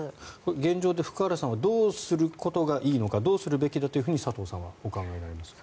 現状で福原さんはどうすることがいいのかどうするべきだと佐藤さんはお考えになりますか。